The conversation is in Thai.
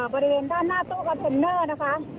บริเวณด้านหน้าตู้คอนเทนเนอร์นะคะ